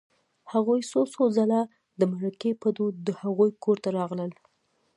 هغوی څو څو ځله د مرکې په دود د هغوی کور ته راغلل